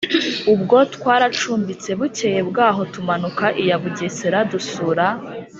Ubwo twaracumbitse, bukeye bwaho tumanuka iya Bugesera, dusura